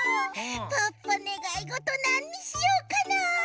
ポッポねがいごとなんにしようかなあ？